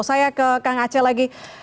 saya ke kang aceh lagi